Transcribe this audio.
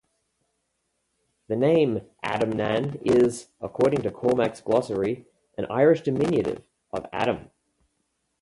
The name Adamnan is, according to Cormac's Glossary, an Irish diminutive of Adam.